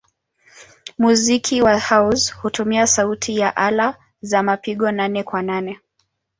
Muziki wa house hutumia sauti ya ala za mapigo nane-kwa-nane.